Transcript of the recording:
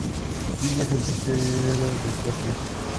Kelly es el tercero de cuatro hijos.